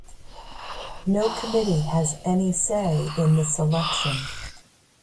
No committee has any say in the selection.